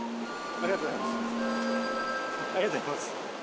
ありがとうございます。